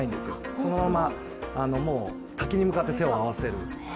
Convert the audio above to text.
そのまま滝に向かって手を合わせる。